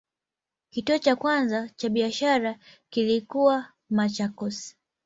Kituo cha kwanza cha biashara kilikuwa Machakos.